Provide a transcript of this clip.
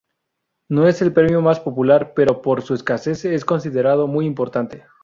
No es el premio más popular, pero por su escasez es considerado muy importante.